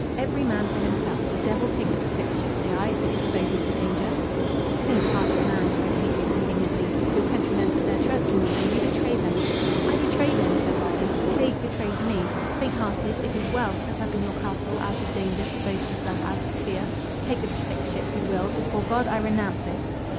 Every man for himself! the devil take the protectorship, say I, if it expose me to danger!" "Faint hearted man!" cried Adrian indignantly—"Your countrymen put their trust in you, and you betray them!" "I betray them!" said Ryland, "the plague betrays me. Faint hearted! It is well, shut up in your castle, out of danger, to boast yourself out of fear. Take the Protectorship who will; before God I renounce it!"